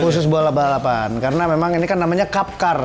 khusus buat balapan karena memang ini kan namanya cup car